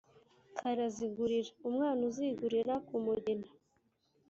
Karazigurira-Umwana uzigurira ku mugina.